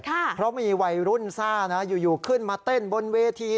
เพราะมีวัยรุ่นซ่านะอยู่ขึ้นมาเต้นบนเวที